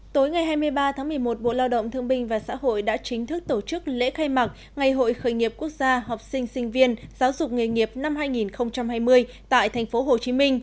tối ngày hai mươi ba tháng một mươi một bộ lao động thương binh và xã hội đã chính thức tổ chức lễ khai mạc ngày hội khởi nghiệp quốc gia học sinh sinh viên giáo dục nghề nghiệp năm hai nghìn hai mươi tại tp hcm